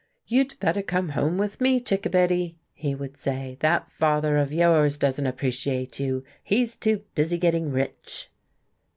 "You'd better come home with me, Chickabiddy," he would say, "that father of yours doesn't appreciate you. He's too busy getting rich."